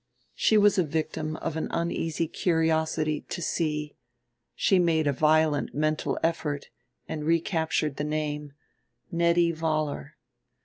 She was a victim of an uneasy curiosity to see... she made a violent mental effort and recaptured the name Nettie Vollar.